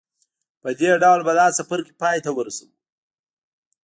په دې ډول به دا څپرکی پای ته ورسوو.